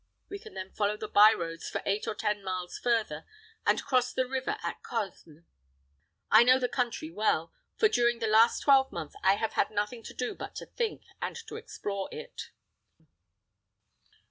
We can then follow the by roads for eight or ten miles further, and cross the river at Cosne. I know this country well; for, during the last twelvemonth, I have had nothing to do but to think, and to explore it."